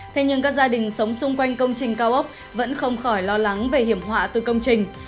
thế nhưng các gia đình sống xung quanh công trình cao ốc vẫn không khỏi lo lắng về hiểm họa từ công trình